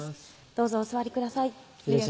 どうぞお座りください